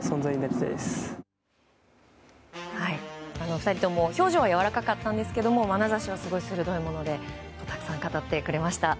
２人とも表情はやわらかかったんですがまなざしはすごく鋭いものでたくさん語ってくれました。